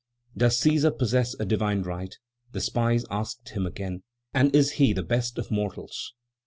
"Does Cæsar possess a divine right?" the spies asked him again; "and is he the best of mortals?"